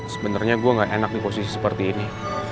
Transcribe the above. sebenernya gue gak enak di posisi seperti ini